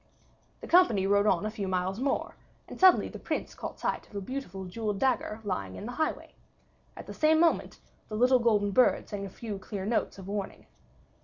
The company rode on a few miles more, and suddenly the Prince caught sight of a beautiful jeweled dagger lying in the highway. At the same moment the little golden bird sang a few clear notes of warning.